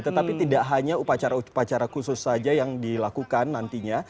tetapi tidak hanya upacara upacara khusus saja yang dilakukan nantinya